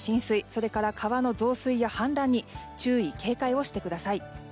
それから川の増水や氾濫に注意・警戒をしてください。